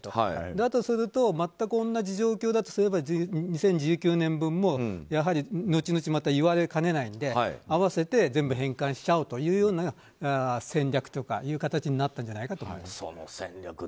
だとすると全く同じ状況だとすれば２０１９年分もやはり後々言われかねないので併せて全部返還しちゃおうという戦略という形になったんじゃないかと思います。